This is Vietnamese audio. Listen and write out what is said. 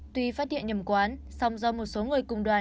tuy phát hiện nhầm quán song do một số người cùng đoàn